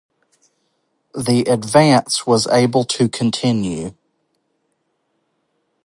The advance was able to continue.